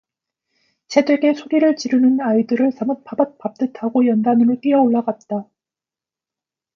새되게 소리를 지르는 아이들을 사뭇 파밭 밟듯 하고 연단으로 뛰어올라갔다.